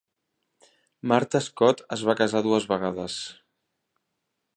Martha Scott es va casar dues vegades.